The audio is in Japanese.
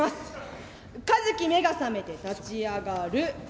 和翔目が覚めて立ち上がる。